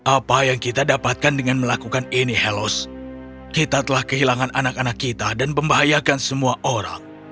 apa yang kita dapatkan dengan melakukan ini helos kita telah kehilangan anak anak kita dan membahayakan semua orang